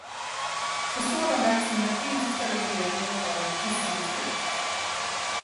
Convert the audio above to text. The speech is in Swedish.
För sådan verksamhet finns i stället regler om tystnadsplikt.